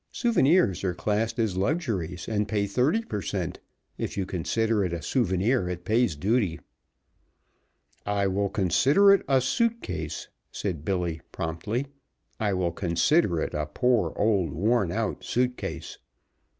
"Souvenirs are classed as luxuries, and pay thirty per cent. If you consider it a souvenir it pays duty." "I will consider it a suit case," said Billy promptly. "I will consider it a poor old, worn out suit case."